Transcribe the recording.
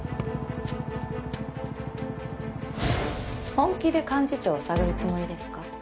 本気で幹事長を探るつもりですか？